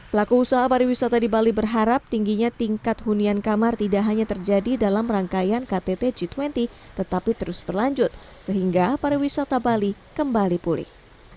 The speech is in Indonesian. pelaku usaha pariwisata di bali berharap tingginya tingkat hunian kamar tidak hanya terjadi dalam rangkaian ktt g dua puluh tetapi terus berlanjut sehingga pariwisata bali kembali pulih